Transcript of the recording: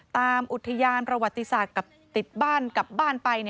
ตามอุทยานประวัติศาสตร์กับติดบ้านกลับบ้านไป